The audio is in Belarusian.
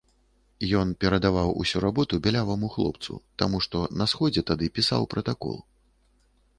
Ён перадаваў усю работу бяляваму хлапцу, таму, што на сходзе тады пісаў пратакол.